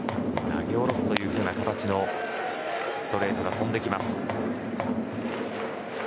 投げ下ろすという形のストレートが飛んできます。